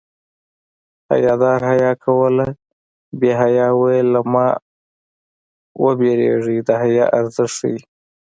حیادار حیا کوله بې حیا ویل له ما وېرېږي د حیا ارزښت ښيي